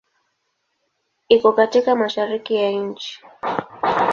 Iko katika Mashariki ya nchi.